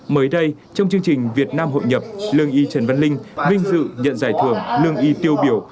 mới đây trong chương trình việt nam hội nhập lương y trần văn linh vinh dự nhận giải thưởng lương y tiêu biểu